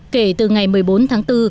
kể từ ngày một mươi bốn tháng bốn